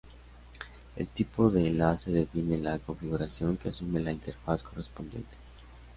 El tipo de enlace define la configuración que asume la interfaz correspondiente.